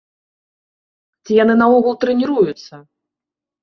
Ці яны наогул трэніруюцца?